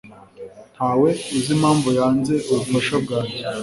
Ntawe uzi impamvu yanze ubufasha bwanjye